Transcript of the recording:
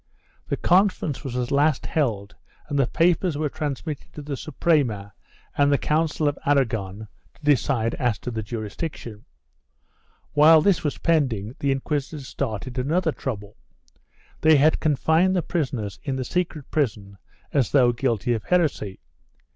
The conference was at last held and the papers were transmitted to the Suprema and Council of Aragon to decide as to the jurisdiction. While this was pending, the inquisitors started another trouble. They had confined the prisoners in the secret prison as though guilty of heresy.